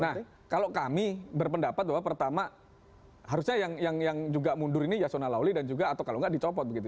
nah kalau kami berpendapat bahwa pertama harusnya yang juga mundur ini yasona lawli dan juga atau kalau nggak dicopot begitu